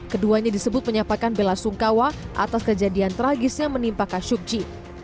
keduanya disebut penyapakan bela sungkawa atas kejadian tragis yang menimpa khashoggi